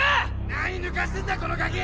何ぬかしてんだこのガキ！